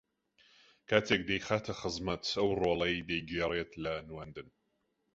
کاتێک دەیخاتە خزمەت ئەو ڕۆڵەی دەیگێڕێت لە نواندن